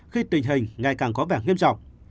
khi tình hình ngày càng có vẻ nghiêm trọng